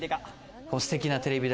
すてきなテレビ台。